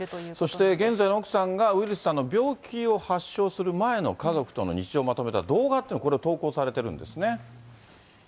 そして現在の奥さんが、ウィリスさんの病気を発症する前の家族との日常をまとめた動画というのが、これ、投稿されてるんですね。